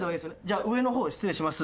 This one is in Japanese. じゃあ上の方失礼します。